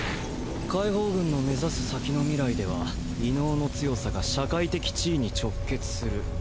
解放軍の目指す先の未来では異能の強さが社会的地位に直結する。